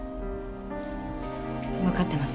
分かってます。